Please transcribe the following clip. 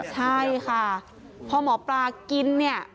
ใช่ค่ะพอหมอปลากิน